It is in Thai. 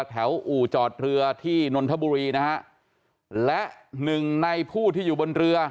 อู่จอดเรือที่นนทบุรีนะฮะและหนึ่งในผู้ที่อยู่บนเรือ